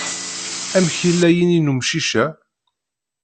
Amek yella yini n umcic-a?